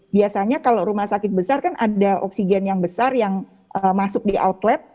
biasanya kalau rumah sakit besar kan ada oksigen yang besar yang masuk di outlet